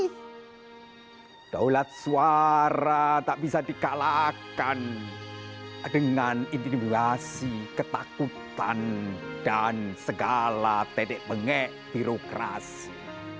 daulat suara tak bisa dikalahkan dengan intimidasi ketakutan dan segala tedek mengek birokrasi